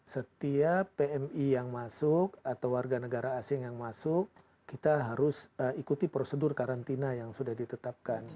setiap pmi yang masuk atau warga negara asing yang masuk kita harus ikuti prosedur karantina yang sudah ditetapkan